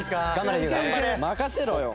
任せろよ！